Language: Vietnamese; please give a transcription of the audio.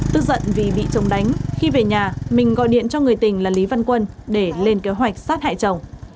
tức giận vì bị chồng đánh khi về nhà mình gọi điện cho người tình là lý văn quân để lên kế hoạch sát hại chồng